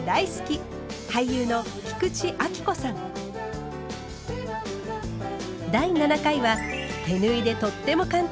俳優の第７回は手縫いでとっても簡単！